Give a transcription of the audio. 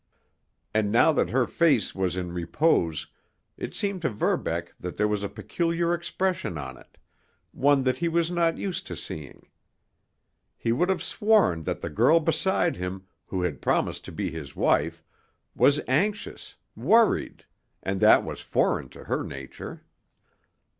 And now that her face was in repose, it seemed to Verbeck that there was a peculiar expression on it, one that he was not used to seeing. He would have sworn that the girl beside him, who had promised to be his wife, was anxious, worried—and that was foreign to her nature.